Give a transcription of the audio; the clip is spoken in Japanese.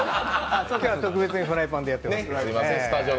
今日は特別にフライパンでやってます。